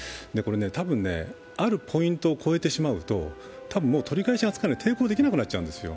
たぶん、あるポイントを超えてしまうと、もう取り返しがつかない抵抗できなくなっちゃうんですよ